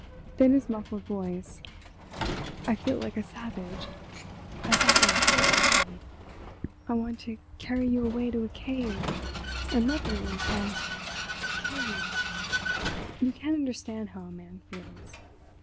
Then his muffled voice: "I feel like a savage. I want your whole body. I want to carry you away to a cave and love you until I kill you—you can't understand how a man feels.